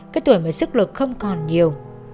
cái tuổi mà sức lực không còn nhiều